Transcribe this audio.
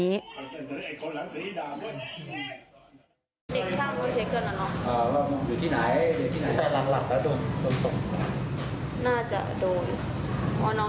กลุ่มวัยรุ่นฝั่งพระแดง